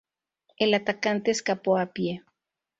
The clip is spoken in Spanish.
El atacante escapó a pie.